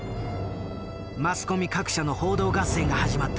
マスコミ各社の報道合戦が始まった。